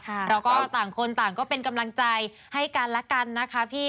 เราก็ต่างคนต่างก็เป็นกำลังใจให้กันและกันนะคะพี่